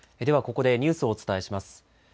ではここでニュースをお伝えします。